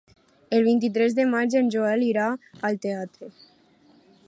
El vint-i-tres de maig en Joel irà al teatre.